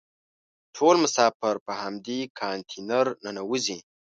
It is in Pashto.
ټول مسافر په همدې کانتینر ننوزي.